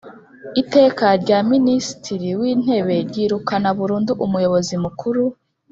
Iteka rya Minisitiri w Intebe ryirukana burundu Umuyobozi Mukuru